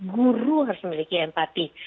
guru harus memiliki empati